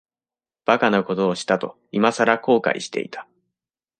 馬鹿なことをしたと、いまさら後悔していた。